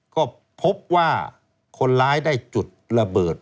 ก็พบว่าคนร้ายได้จุดระเบิด